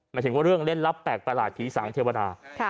หมายถึงว่าเรื่องเล่นลับแปลกประหลาดผีสางเทวดา